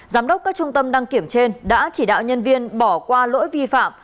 giám đốc các trung tâm đăng kiểm trên đã chỉ đạo nhân viên bỏ qua lỗi vi phạm